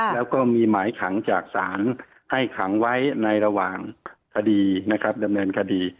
แล้วก็มีหมายขังจากสารให้ขังไว้ในระหว่างดำเนินคดี